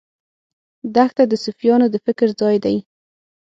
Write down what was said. دښته د صوفیانو د فکر ځای دی.